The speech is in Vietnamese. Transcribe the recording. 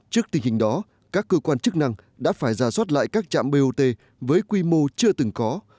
trước tình hình đó các cơ quan chức năng đã phải ra soát lại các trạm bot với quy mô chưa từng có